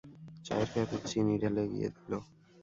চায়ের কাপে চিনি ঢেলে এগিয়ে দিল।